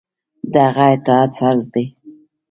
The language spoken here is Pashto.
د هغه اطاعت فرض دی.